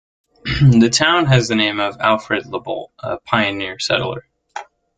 The town has the name of Alfred Labolt, a pioneer settler.